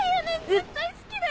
絶対好きだよね。